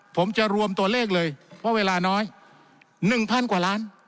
ผมจะรวมตัวเลขเลยเพราะเวลาน้อย๑๐๐กว่าล้าน